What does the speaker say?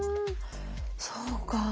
そうか。